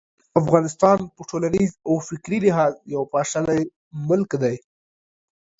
افغانستان په ټولنیز او فکري لحاظ یو پاشلی ملک دی.